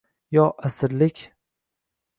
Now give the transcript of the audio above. yo asirlik